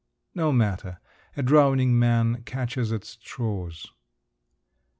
No matter, a drowning man catches at straws.